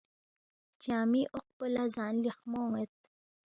ہلچنگمی اوق پو لا زان لیاخمو اونید،